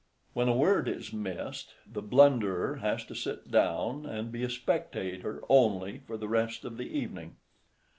When a word is missed, the blunderer has to sit down, and be a spectator only for the rest of the evening.